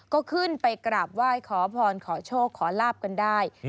ก็ขึ้นไปกราบไหว้ขอพรขอโชคขอลาบกันได้